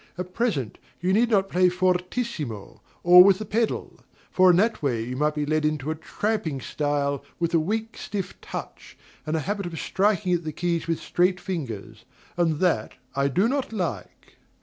At present, you need not play fortissimo, or with the pedal: for in that way you might be led into a tramping style, with a weak, stiff touch, and a habit of striking at the keys with straight fingers; and that I do not like.